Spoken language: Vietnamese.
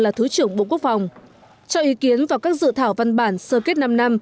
là thứ trưởng bộ quốc phòng cho ý kiến vào các dự thảo văn bản sơ kết năm năm